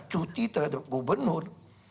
cuti terhadap gubernur